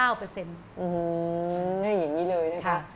อย่างนี้เลยนะคะ